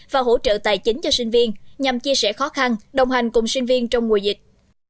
và hỗ trợ tài chính cho sinh viên nhằm chia sẻ khó khăn đồng hành cùng sinh viên trong mùa dịch